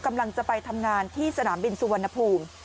กำลังจะไปทำงานที่สนามบินสุวรรณภูมิ